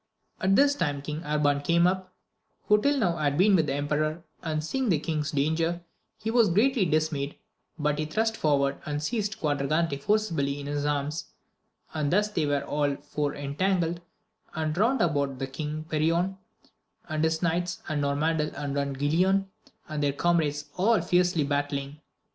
At this time King Arban came up, who till now had been with the emperor, and seeing the king's danger, he was greatly dismayed, but he thrust forward and seized Quadragante forcibly in his arms ; and thus they were all four entangled, and round about them King Perion and his knights and Norandel and Don Guilan and their comrades all fiercely battling.